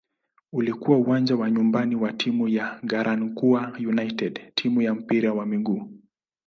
Ulikuwa uwanja wa nyumbani wa timu ya "Garankuwa United" timu ya mpira wa miguu.